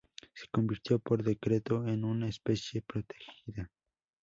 Se convirtió por decreto en una especie protegida.